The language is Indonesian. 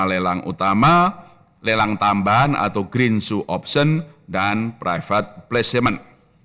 lelang utama lelang tambahan atau green sue option dan private placement